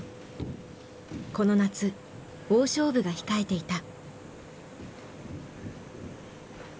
この夏大勝負が控えていた。